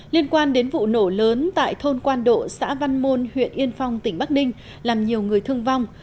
liên quan đến vụ nổ lớn tại thôn quan độ xã văn môn huyện yên phong tỉnh bắc ninh làm nhiều người thương vong